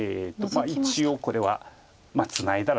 一応これはツナいだら助けると。